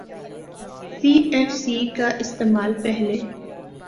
سی F C کا استعمال پہلے